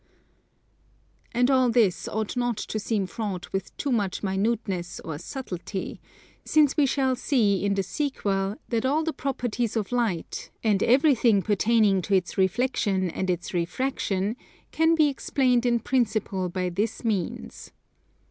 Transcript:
And all this ought not to seem fraught with too much minuteness or subtlety, since we shall see in the sequel that all the properties of Light, and everything pertaining to its reflexion and its refraction, can be explained in principle by this means.